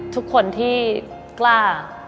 ทุกคนที่กล้า